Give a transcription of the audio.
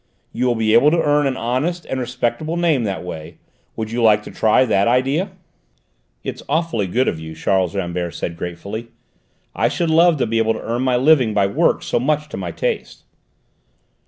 You will be able to earn an honest and respectable name that way. Would you like to try that idea?" "It's awfully good of you," Charles Rambert said gratefully. "I should love to be able to earn my living by work so much to my taste."